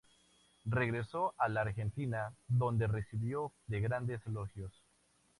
Regresó a la Argentina, donde recibió de grandes elogios.